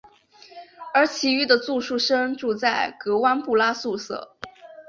而其余的住宿生住在格湾布拉宿舍。